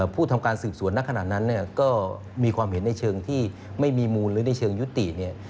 ผู้ทำการสืบสวนนักขนาดนั้นเนี่ยก็มีความเห็นในเชิงที่ไม่มีมูลหรือในเชิงยุติเนี่ย